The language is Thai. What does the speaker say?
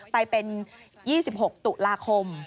ไปเป็น๒๖ตุลาคม